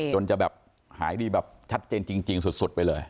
จะแบบหายดีแบบชัดเจนจริงสุดไปเลย